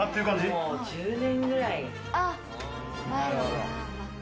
もう１０年くらい前の。